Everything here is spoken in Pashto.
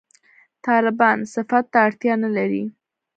«طالبان» صفت ته اړتیا نه لري.